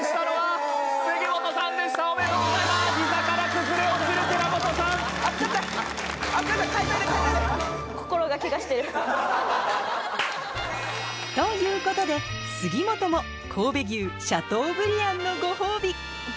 おめでとうございます！ということで杉本も神戸牛シャトーブリアンのご褒美！